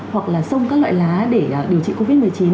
hoặc là sông các loại lá để điều trị covid một mươi chín